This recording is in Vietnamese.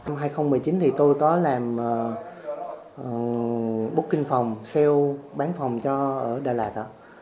năm hai nghìn một mươi chín thì tôi có làm booking phòng sale bán phòng cho ở đà lạt